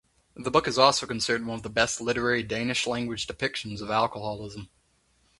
The book is also considered one of the best literary Danish-language depictions of alcoholism.